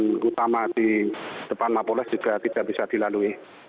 dan utama di depan mapoles juga tidak bisa dilalui